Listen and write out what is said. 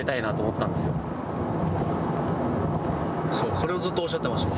それをずっとおっしゃってましたよね。